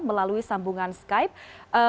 melalui sambungan skype